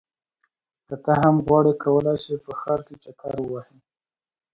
که ته هم غواړې کولی شې په ښار کې چکر ووهې.